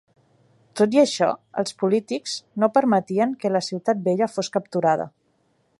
Tot i això, els polítics no permetien que la Ciutat Vella fos capturada.